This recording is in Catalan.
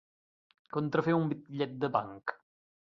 Contrafer un bitllet de banc.